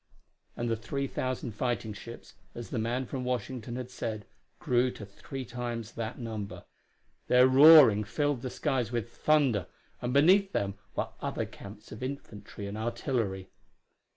And the three thousand fighting ships, as the man from Washington had said, grew to three times that number. Their roaring filled the skies with thunder, and beneath them were other camps of infantry and artillery.